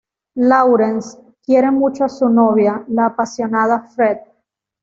Laurence quiere mucho a su novia, la apasionada Fred.